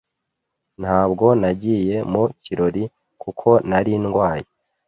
Ntabwo nagiye mu kirori kuko nari ndwaye.